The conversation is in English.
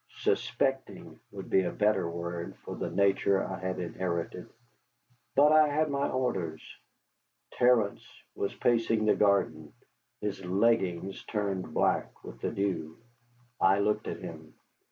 Suspecting would be a better word for the nature I had inherited. But I had my orders. Terence was pacing the garden, his leggings turned black with the dew. I looked at him.